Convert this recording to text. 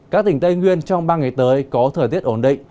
các tỉnh tây nguyên trong ba ngày tới có thời tiết ổn định